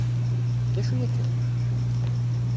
D acu akka?